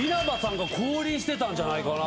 してたんじゃないかな。